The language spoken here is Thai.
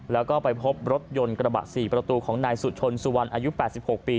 แล้วก็ไปพบรถยนต์กระบะ๔ประตูของนายสุชนสุวรรณอายุ๘๖ปี